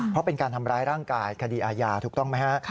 เพราะเป็นการทำร้ายร่างกายคดีอาญาถูกต้องไหมฮะ